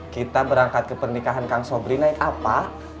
kita berangkat ke pernikahan kang sobri naik apa